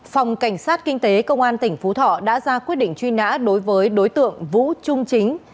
phòng cảnh sát kinh tế công an tỉnh phú thọ đã ra quyết định truy nã đối với đối tượng vũ trung chính